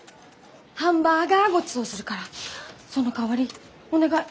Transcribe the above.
ハンバーガーごちそうするからそのかわりお願い！